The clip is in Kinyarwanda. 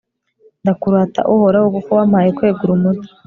ndakurata, uhoraho, kuko wampaye kwegura umutwe